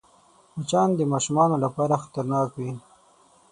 مچان د ماشومانو لپاره خطرناک وي